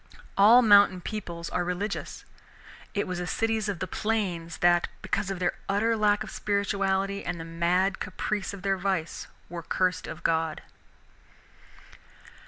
All mountain peoples are religious. It was the cities of the plains that, because of their utter lack of spirituality and the mad caprice of their vice, were cursed of God.